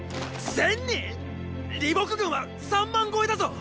千人っ⁉李牧軍は三万超えだぞ